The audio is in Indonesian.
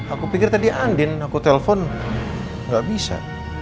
aku pikir tadi andin aku telpon gak bisa